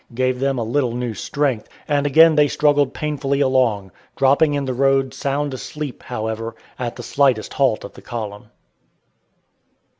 gave them a little new strength, and again they struggled painfully along, dropping in the road sound asleep, however, at the slightest halt of the column.